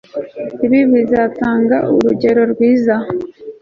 Ibi bizatanga urugero rwiza